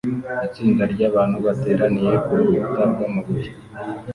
itsinda ryabantu bateraniye kurukuta rwamabuye